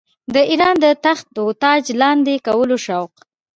د اېران د تخت و تاج لاندي کولو شوق.